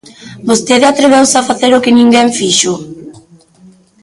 Vostede atreveuse a facer o que ninguén fixo.